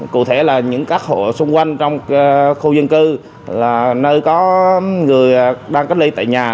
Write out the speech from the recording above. cụ thể là những các hộ xung quanh trong khu dân cư là nơi có người đang cách ly tại nhà